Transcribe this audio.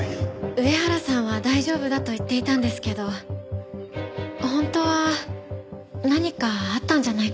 上原さんは大丈夫だと言っていたんですけど本当は何かあったんじゃないかと思って。